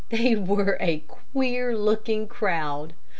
They were a queer looking crowd.